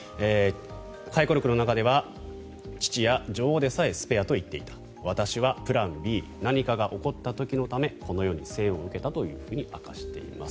回顧録の中では父や女王でさえスペアと言っていた私はプランＢ何かが起こった時のためこの世に生を受けたと明かしています。